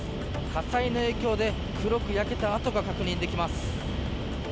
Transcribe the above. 火災の影響で黒く焼けた跡が確認できます。